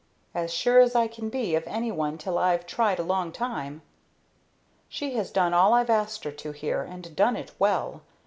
"As sure as I can be of any one till I've tried a long time. She has done all I've asked her to here, and done it well.